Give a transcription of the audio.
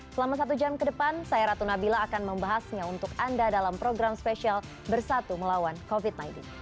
selama satu jam ke depan saya ratu nabila akan membahasnya untuk anda dalam program spesial bersatu melawan covid sembilan belas